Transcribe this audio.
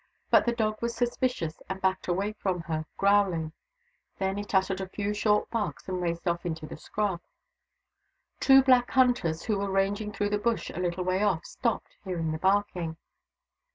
But the dog was sus picious, and backed away from her, growling : then it uttered a few short barks and raced off into the scrub. Two black hunters, who were ranging through the Bush a little way off, stopped, hearing the barking.